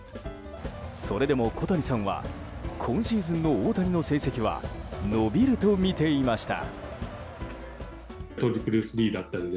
それでも、小谷さんは今シーズンの大谷の成績は伸びると見ていました。